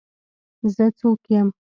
زه څوک يم.